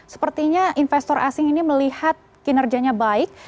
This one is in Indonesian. sepertinya investor asing ini melihat kinerjanya baik